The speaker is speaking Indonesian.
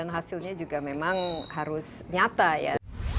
dan hasilnya juga memang harus nyata ya